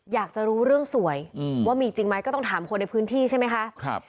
อยากจะรู้เรื่องสวยว่ามีจริงไหมก็ต้องถามคนในพื้นที่ใช่ไหมคะ